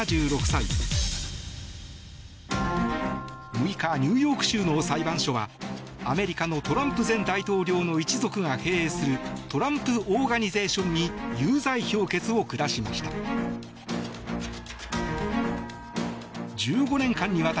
６日ニューヨーク州の裁判所はアメリカのトランプ前大統領の一族が経営するトランプ・オーガニゼーションに有罪評決を下しました。